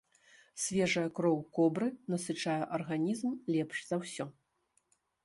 Свежая кроў кобры насычае арганізм лепш за ўсё.